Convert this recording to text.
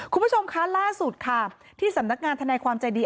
คุณผู้ชมคะล่าสุดค่ะที่สำนักงานทนายความใจดี